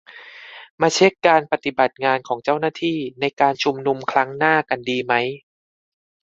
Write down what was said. มาเช็คการปฏิบัติงานของเจ้าหน้าที่ ในการชุมนุมครั้งหน้ากันดีไหม ?